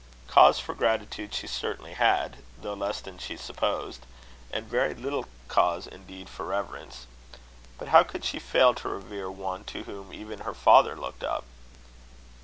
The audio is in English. Cause for gratitude she certainly had, though less than she supposed; and very little cause indeed for reverence. But how could she fail to revere one to whom even her father looked up?